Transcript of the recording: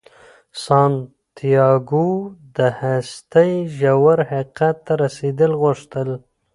سانتیاګو د هستۍ ژور حقیقت ته رسیدل غوښتل.